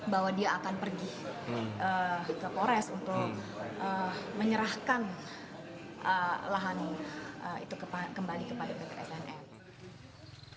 bahwa dia akan pergi ke polres untuk menyerahkan lahan itu kembali kepada pt snn